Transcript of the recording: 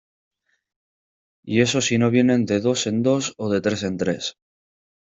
y eso si no vienen de dos en dos o tres en tres.